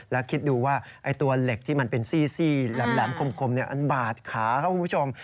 แล้วคิดดูว่าตัวเหล็กที่มันเป็นซี่แหลมคมมันบาดขาครับคุณผู้ชม